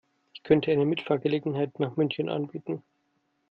Ich könnte eine Mitfahrgelegenheit nach München anbieten